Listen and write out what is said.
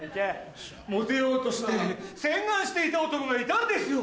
モテようとして洗顔していた男がいたんですよ。